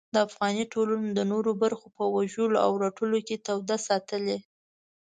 د افغاني ټولنې د نورو برخو په وژلو او رټلو کې توده ساتلې.